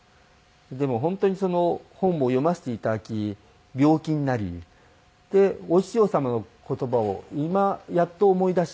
でも本当に本も読ませていただき病気になりお師匠様の言葉を今やっと思い出し。